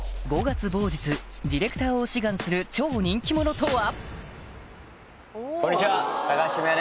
ディレクターを志願する超人気者とは？